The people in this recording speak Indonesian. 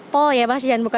pol ya mas jangan buka jam